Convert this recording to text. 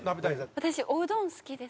私おうどん好きです。